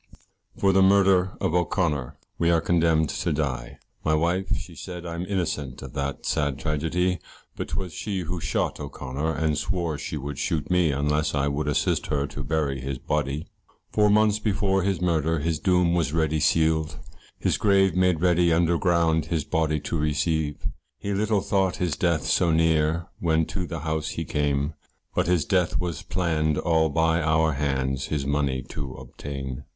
For the murder of O'Connor we are condemned to die; My wife she said I'm innocent of that sad tragedy, But 'twas she who shot O'Connor and swore she would shoot me, Unless I would assist her to bury his body. Four months before his murder his doom was ready sealed, His grave made ready under ground his body to receive, He little thought his death so near when to the house he came, But his death was plann'd all by our hands his money to obtain.